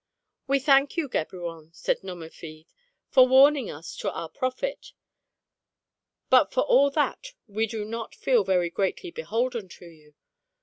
"We thank you, Geburon," said Nomerfide, "for warning us to our profit, but for all that we do not feel very greatly beholden to you.